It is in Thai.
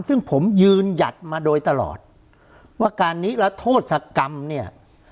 ซึ่งผมยืนหยัดมาโดยตลอดว่าการนิรโทษกรรมเนี่ย